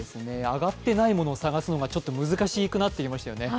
上がってないものを探すのが難しくなっていますよね。